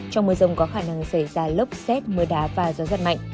trong mưa rông có khả năng xảy ra lốc xét mưa đá và gió giật mạnh